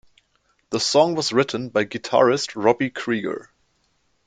The song was written by guitarist Robby Krieger.